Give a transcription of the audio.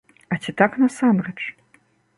Але ці так насамрэч?